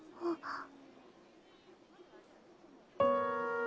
あっ。